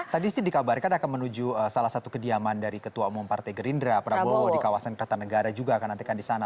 tadi sih dikabarkan akan menuju salah satu kediaman dari ketua umum partai gerindra prabowo di kawasan kertanegara juga akan nantikan di sana